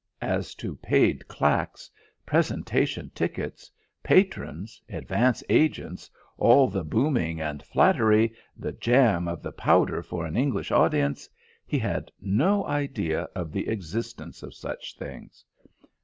As to paid claques, presentation tickets, patrons, advance agents, all the booming and flattery, the jam of the powder for an English audience, he had no idea of the existence of such things.